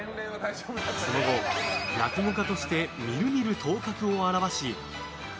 その後、落語家としてみるみる頭角を現し